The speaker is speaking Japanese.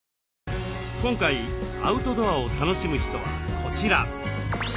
今回アウトドアを楽しむ人はこちら。